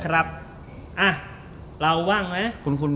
เราว่างไหม